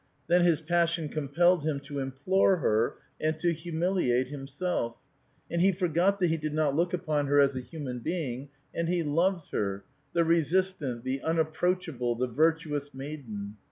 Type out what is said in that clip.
Then his passion com pelled him to implore her and to humiliate himself, and he forgot that he did not look upon her as a human being, and he loved her, the resistant, the unapproachable, the virtuous maiden.